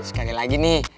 sekali lagi nih